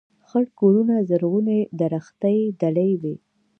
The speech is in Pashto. خړ کورونه زرغونې درختي دلې وې